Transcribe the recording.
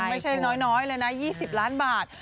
ไม่ใช่น้อยเลยนะ๒๐ล้านบาท